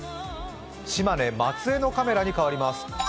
島根・松江のカメラに変わります。